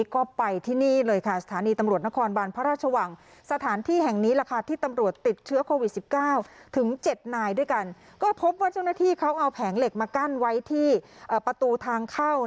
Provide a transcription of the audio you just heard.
ก็พบว่าช่วงหน้าที่เขาเอาแผงเหล็กมากั้นไว้ที่ประตูทางเข้า